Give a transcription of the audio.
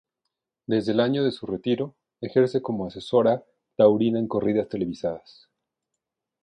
Desde el año de su retiro, ejerce como asesora taurina en corridas televisadas.